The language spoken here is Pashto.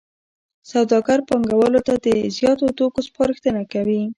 سوداګر پانګوالو ته د زیاتو توکو سپارښتنه کوي